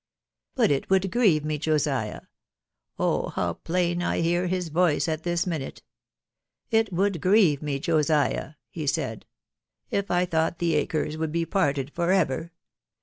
But it would grieve rae> Josiah' .... 'Oh'! how plain I hear his voice at this minute !— 'it would grieve me, Josiah,' he said, 'if 1' thought ^e acres would be. parted for ever